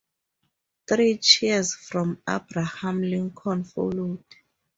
Three cheers for Abraham Lincoln followed.